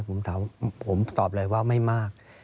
ผมตอบเลยว่าไม่มาก